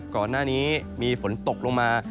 ก่อนหน้านี้มีฝนตกลงมา